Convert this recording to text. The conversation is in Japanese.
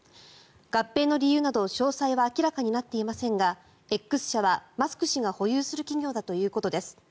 合併の理由など詳細は明らかになっていませんがＸ社はマスク氏が保有する企業だということです。